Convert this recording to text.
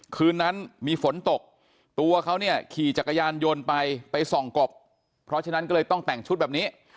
คืนนั้นมีฝนตกตัวเขาเนี่ยขี่จักรยานยนต์ไปไปส่องกบเพราะฉะนั้นก็เลยต้องแต่งชุดแบบนี้